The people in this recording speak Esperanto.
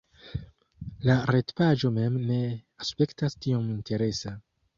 La retpaĝo mem ne aspektas tiom interesa